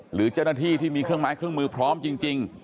หรือเจ้าหน้าที่ที่มีเครื่องไม้เครื่องมือพร้อมจริง